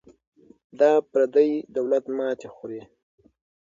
دا پردی دولت ماتې خوري.